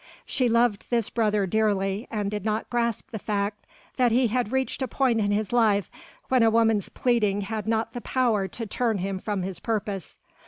She loved this brother dearly, and did not grasp the fact that he had reached a point in his life when a woman's pleading had not the power to turn him from his purpose.